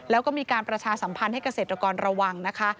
แล้วก็มีการประชาสัมพันธ์ให้เกษตรกรระวังนะคะ